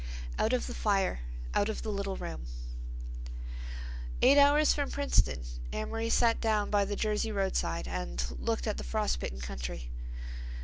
"OUT OF THE FIRE, OUT OF THE LITTLE ROOM" Eight hours from Princeton Amory sat down by the Jersey roadside and looked at the frost bitten country.